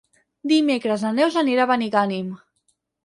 Dimecres na Neus anirà a Benigànim.